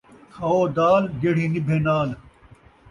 کھاؤ دال ، جیڑھی نبھے نال